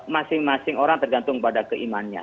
masing masing orang tergantung pada keimannya